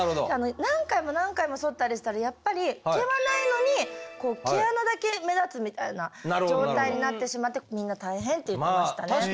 何回も何回もそったりしたらやっぱり毛はないのに毛穴だけ目立つみたいな状態になってしまってみんな大変って言ってましたね。